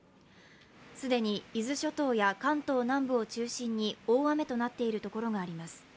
既に伊豆諸島や関東南部を中心に大雨となっているところがあります。